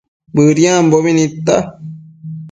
Bëdiambo nidta